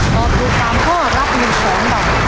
ตอบถูกสามข้อรับหนึ่งบาท